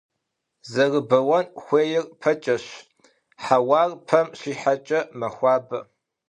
Зэрыбэуэн хуейр пэкӀэщ, хьэуар пэм щихьэкӀэ мэхуабэ.